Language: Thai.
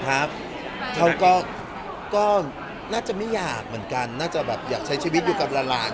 เขาก็น่าจะไม่อยากเหมือนกันน่าจะแบบอยากใช้ชีวิตอยู่กับหลาน